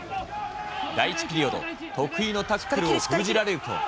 第１ピリオド、得意のタックルを封じられると。